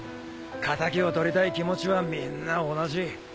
敵を取りたい気持ちはみんな同じ。